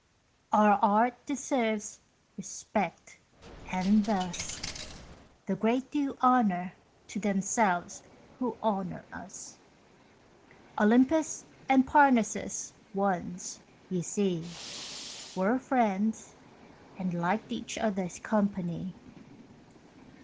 Our art deserves respect, and thus The great do honour to themselves who honour us. Olympus and Parnassus once, you see, Were friends, and liked each other's company.